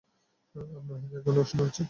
আপনার হাতে এক ঘণ্টা সময় আছে।